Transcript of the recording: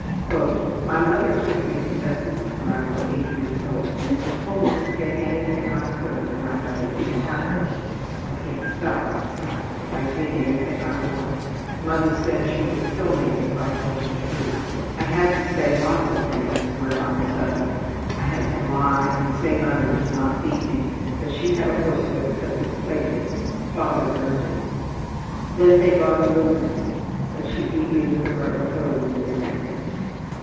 ``My mother took me to S's when I was 8 years old and told me to take anything I could and I got into the habit of it. I can't stop myself. I take anything I want. Mother said she would kill me if I told the truth. I had to say lots of things that were not so. I had to lie and say mother did not beat me, but she had a horsewhip that was plaited, father burned it. Then they bought a little one, but she beat me with a rubber hose and everything.